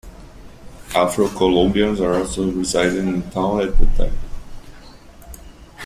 Afro Colombians also resided in the town at that time.